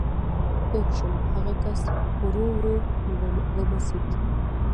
پوه شوم، هغه کس ورو ورو وموسېد.